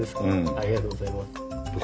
ありがとうございます。